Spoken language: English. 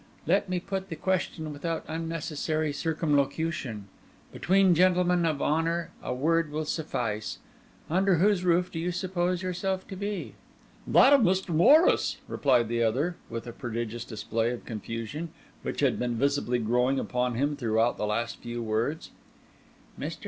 Let me put the question without unnecessary circumlocution—between gentlemen of honour a word will suffice—Under whose roof do you suppose yourself to be?" "That of Mr. Morris," replied the other, with a prodigious display of confusion, which had been visibly growing upon him throughout the last few words. "Mr.